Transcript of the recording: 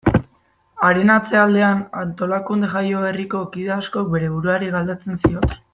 Haren atzealdean, antolakunde jaioberriko kide askok bere buruari galdetzen zioten.